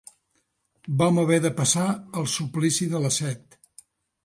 Vam haver de passar el suplici de la set.